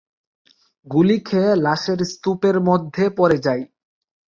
গুলি খেয়ে লাশের স্তূপের মধ্যে পড়ে যাই।